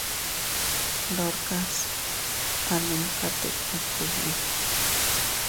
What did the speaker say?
Ndorkas a numka tika kugbi.